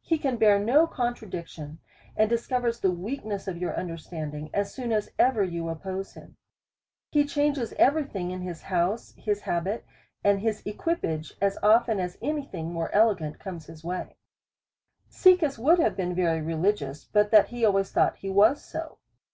He can bear no contradiction, and discovers the weakness of your understanding, as soon as ever you oppose him. He clianges every thing in his house, his habit, and his equipage, as often as any thing more elegant comes in his way ; Caecus would have been very religious, but that he always thought he was so.